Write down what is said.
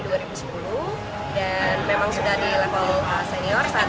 dan memang sudah di level senior saat ini